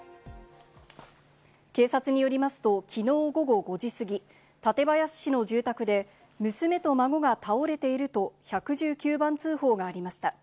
警察によりますと、きのう午後５時過ぎ、館林市の住宅で娘と孫が倒れていると１１９番通報がありました。